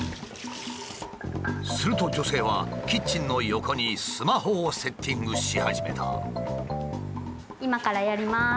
すると女性はキッチンの横にスマホをセッティングし始めた。